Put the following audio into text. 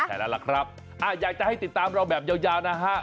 นั่นแหละครับอยากจะให้ติดตามเราแบบยาวนะฮะ